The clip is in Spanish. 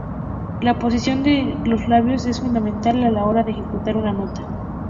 La posición de los labios es fundamental a la hora de ejecutar una nota.